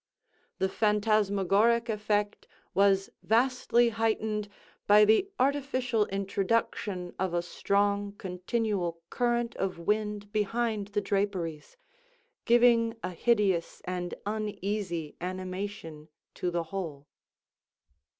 The phantasmagoric effect was vastly heightened by the artificial introduction of a strong continual current of wind behind the draperies—giving a hideous and uneasy animation to the whole.